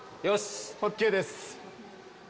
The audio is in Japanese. ＯＫです。